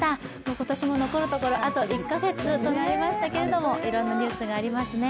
今年も残るところあと１カ月となりましたけれど、いろんなニュースがありますね。